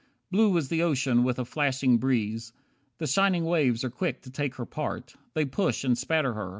Blue is the ocean, with a flashing breeze. The shining waves are quick to take her part. They push and spatter her.